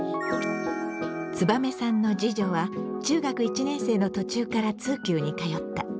つばめさんの次女は中学１年生の途中から通級に通った。